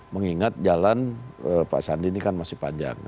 mengingat jalan pak sandi ini kan masih panjang